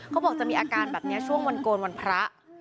เขาบอกจะมีอาการแบบนี้ช่วงวันโกนวันพระ